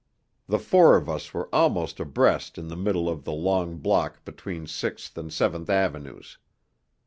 The four of us were almost abreast in the middle of the long block between Sixth and Seventh Avenues.